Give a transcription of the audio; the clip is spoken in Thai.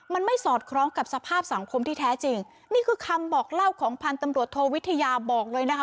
มันไม่สอดคล้องกับสภาพสังคมที่แท้จริงนี่คือคำบอกเล่าของพันธุ์ตำรวจโทวิทยาบอกเลยนะคะ